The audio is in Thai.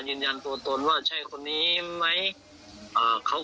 ยืนยันตัวตนว่าใช่คนนี้ไหม